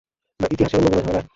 বা ইতিহাসের অন্য কোনো ঝামেলায়?